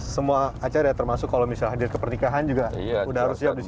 semua acara termasuk kalau misalnya di pernikahan juga sudah harus siap di sini